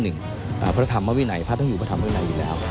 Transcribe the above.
พระธรรมวินัยพระต้องอยู่พระธรรมวินัยอยู่แล้ว